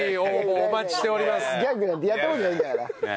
ギャグなんてやって事ないんだから。